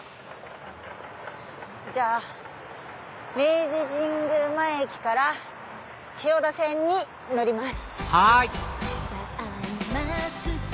じゃあ明治神宮前駅から千代田線に乗ります。